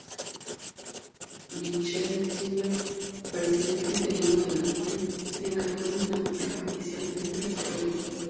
Michel Temer, presidente interino de Brasil, se encargó de inaugurar oficialmente los Juegos.